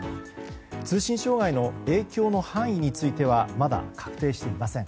通信障害の影響の範囲についてはまだ確定していません。